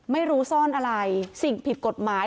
ไม่รู้ซ่อนอะไรสิ่งผิดกฎหมาย